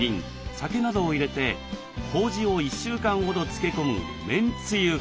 酒などを入れてこうじを１週間ほど漬け込む「麺つゆこうじ」。